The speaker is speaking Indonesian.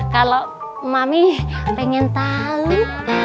kalo mami pengen tau